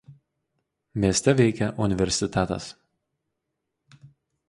Mieste veikia universitetas.